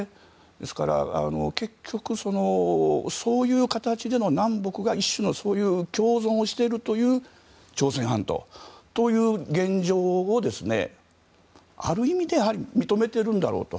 ですから結局、そういう形での南北が一種の共存をしているという朝鮮半島という現状をある意味で認めているんだろうと。